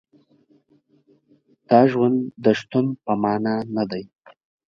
د ژوند د شتون په معنا نه دی.